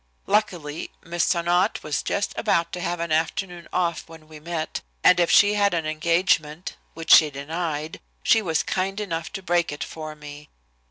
Luckily, Miss Sonnot was just about to have an afternoon off when we met, and if she had an engagement which she denied she was kind enough to break it for me.